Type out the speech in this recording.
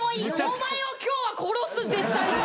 お前を今日は殺す絶対に。